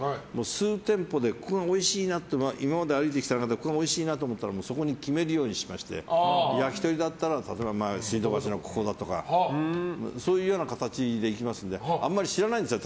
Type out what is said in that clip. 数店舗で、今まで歩いてきた中でここがおいしいなと思ったらそこに決めるようにしまして焼き鳥だったら水道橋のここだとかそういうような形で行きますのであまり知らないんですよ